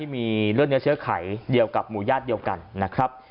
มีเลือดเนื้อเชื้อไขเดียวกับหมู่ญาติเดียวกันนะครับ